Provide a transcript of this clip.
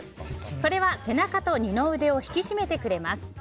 これは背中と二の腕を引き締めてくれます。